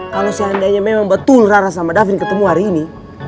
kalau seandainya memang betul rara sama davin ketemu hari ini